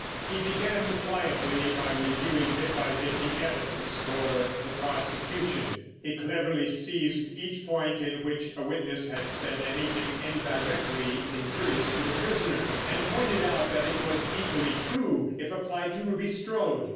He began quietly by reviewing bit by bit the evidence for the prosecution. He cleverly seized each point in which a witness had said anything indirectly injurious to the prisoner, and pointed out that it was equally true if applied to Ruby Strode.